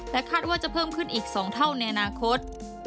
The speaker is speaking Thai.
คาดว่าจะเพิ่มขึ้นอีก๒เท่าในอนาคต